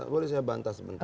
boleh saya bantah sebentar